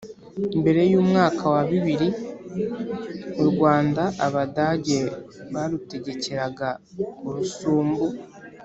Mbere y'umwaka wa bibiri, u Rwanda Abadage barutegekeraga urusumbu